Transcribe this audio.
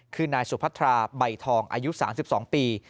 คือนายสุพัทราใบทองอายุ๓๒ปี